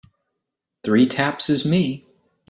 Three taps is me.